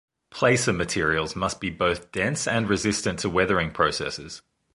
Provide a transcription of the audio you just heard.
Placer materials must be both dense and resistant to weathering processes.